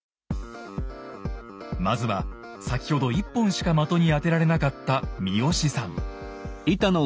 まずは先ほど１本しか的に当てられなかった三好さん。